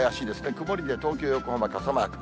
曇りで、東京、横浜、傘マーク。